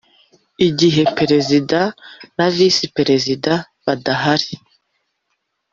Igihe perezida na visi perezida badahari